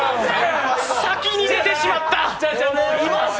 先に出てしまった。